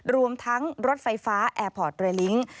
รวมทั้งรถไฟฟ้าแอร์พอร์ตเรลิ้ง